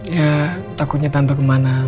ya takutnya tante kemana